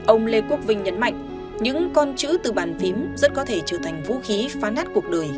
ông lê quốc vinh nhấn mạnh những con chữ từ bàn phím rất có thể trở thành vũ khí phán nát cuộc đời